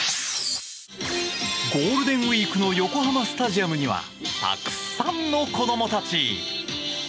ゴールデンウィークの横浜スタジアムにはたくさんの子供たち。